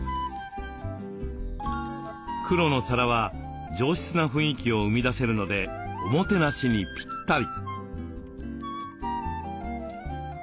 黒の皿は上質な雰囲気を生み出せるのでおもてなしにぴったり。